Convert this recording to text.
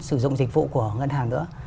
sử dụng dịch vụ của ngân hàng nữa